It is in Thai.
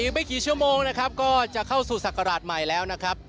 ไม่กี่ชั่วโมงนะครับก็จะเข้าสู่ศักราชใหม่แล้วนะครับ